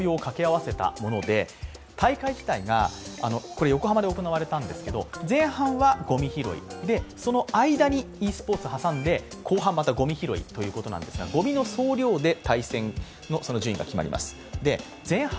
これ横浜で行われたんですけど前半はごみ拾いで、その間にｅスポーツを挟んで、後半、またごみ拾いということなんですが、ごみの総量で対戦が決まります。